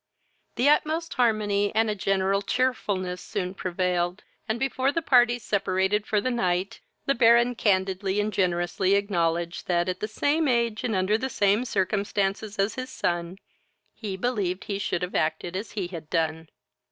The utmost harmony and a general cheerfulness soon prevailed, and, before the parties separated for the night, the Baron candidly and generously acknowledged, that, at the same age, and under the same circumstances as his son, he believed he should have acted as he had done.